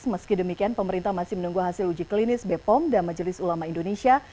meski demikian pemerintah masih menunggu hasil uji klinis bepom dan majelis ulama indonesia